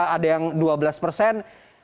ada yang dua belas persen